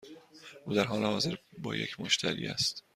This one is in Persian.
او در حال حاضر با یک مشتری است.